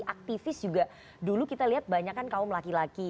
aktivis juga dulu kita lihat banyak kan kaum laki laki